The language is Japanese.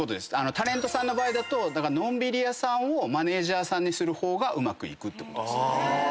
タレントさんの場合だとのんびり屋さんをマネージャーさんにする方がうまくいくってことです。